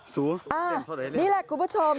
นี่แหละคุณผู้ชม